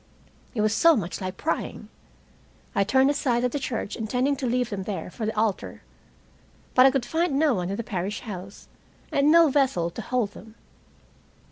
It was so much like prying. I turned aside at the church intending to leave them there for the altar. But I could find no one in the parish house, and no vessel to hold them.